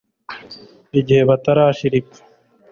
igihe batarashira ipfa